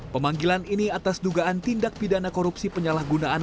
pemanggilan ini atas dugaan tindak pidana korupsi penyalahgunaan